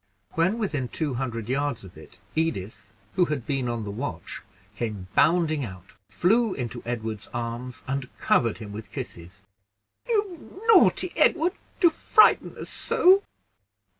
When within two hundred yards of it, Edith, who had been on the watch, came bounding out, and flew into Edward's arms, and covered him with kisses. "You naughty Edward, to frighten us so!"